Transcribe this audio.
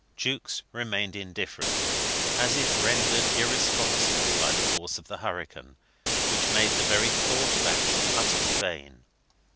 Jukes remained indifferent, as if rendered irresponsible by the force of the hurricane, which made the very thought of action utterly vain.